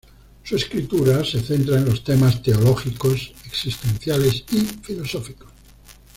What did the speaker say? Su escritura se centra en los temas teológicos, existenciales y filosóficos.